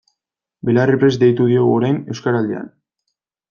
Belarriprest deitu diogu orain Euskaraldian.